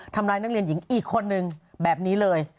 ทำร้ายนักเรียนหญิงอีกคนนึงแบบนี้เลย